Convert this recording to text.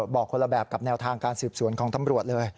บอกคนละแบบกับแนวทางการสืบสวนของตำรวจเลย